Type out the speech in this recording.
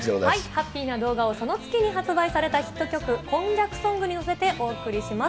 ハッピーな動画をその月に発売されたヒット曲、今昔ソングに乗せてお送りします。